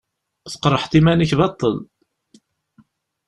Tqerḥeḍ iman-ik baṭṭel.